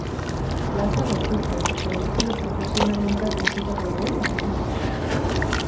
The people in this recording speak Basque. Plaza lortu zuen, produkzio-profesionalentzat deitutako lehen oposizioan.